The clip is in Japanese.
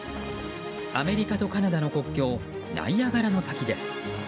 アメリカとカナダの国境ナイアガラの滝です。